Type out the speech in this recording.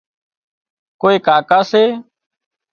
ڪوئي ڪاڪا سي